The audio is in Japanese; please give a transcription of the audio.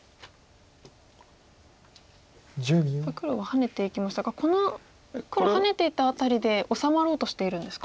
さあ黒はハネていきましたが黒ハネていった辺りで治まろうとしているんですか？